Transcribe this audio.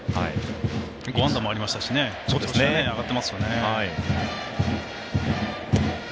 ５安打もありましたし調子が上がってますよね。